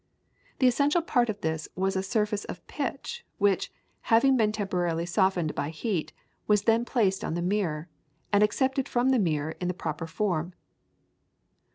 The essential part of this was a surface of pitch, which, having been temporarily softened by heat, was then placed on the mirror, and accepted from the mirror the proper form.